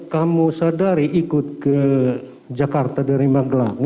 kamu sadari ikut ke jakarta dari magelang